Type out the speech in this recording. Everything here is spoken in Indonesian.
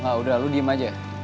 nggak udah lu diem aja